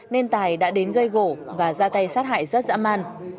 nên tài đã đến gây gỗ và ra tay sát hại rất dã man